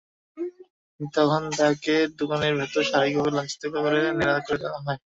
তখন তাঁকে দোকানের ভেতরে শারীরিকভাবে লাঞ্ছিত করে ন্যাড়া করে দেওয়া হয়।